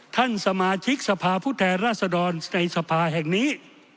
ท่านสมาชิกสภาพผู้แทนราษฎรในสภาแห่งนี้